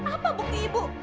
apa bukannya ibu